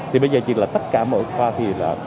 thì bây giờ chỉ là tất cả mọi khoa